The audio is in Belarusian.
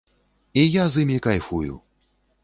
І я з імі кайфую.